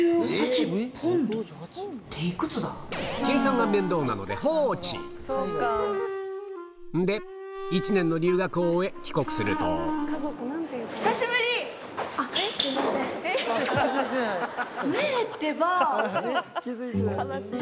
んで１年の留学を終え帰国するとねぇってば！